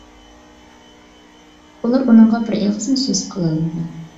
ئۇلار ئۇنىڭغا بىر ئېغىزمۇ سۆز قىلالمىدى.